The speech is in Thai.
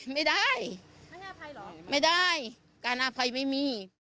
ไม่ได้ไม่ได้การอภัยไม่มี